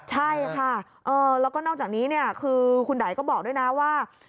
ใช่ค่ะแล้วก็นอกจากนี้คือคุณไดก็บอกด้วยนะว่า